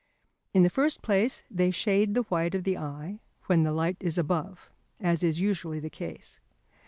In the first place they shade the white of the eye when the light is above, as is usually the case.